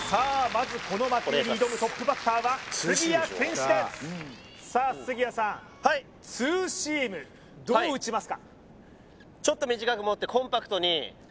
まずこの魔球に挑むトップバッターは杉谷拳士ですさあ杉谷さんはい子供達にしていきます